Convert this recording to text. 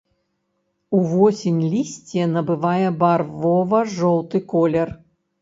Увосень лісце набывае барвова-жоўты колер.